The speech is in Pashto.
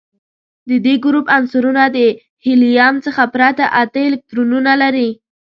د دې ګروپ عنصرونه د هیلیم څخه پرته اته الکترونونه لري.